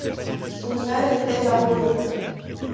Son père était laboureur.